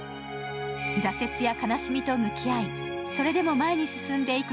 挫折や悲しみと向き合い、それでも前に進んでいく